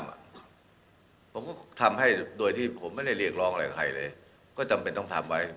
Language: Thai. ผมก็ทำให้โดยที่ผมไม่ได้เรียกร้องอะไรกับใครเลยก็จำเป็นต้องทำไว้